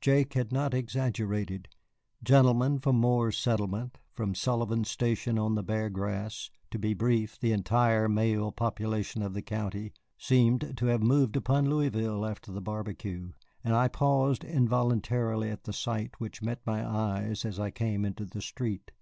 Jake had not exaggerated. Gentlemen from Moore's Settlement, from Sullivan's Station on the Bear Grass, to be brief, the entire male population of the county seemed to have moved upon Louisville after the barbecue, and I paused involuntarily at the sight which met my eyes as I came into the street.